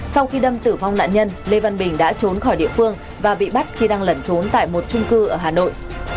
sau khi đâm tử vong nạn nhân lê văn bình đã trốn khỏi địa phương và bị bắt khi đang lẩn trốn tại một trung cư ở hà nội